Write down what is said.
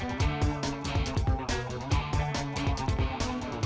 aduh aduh aduh aduh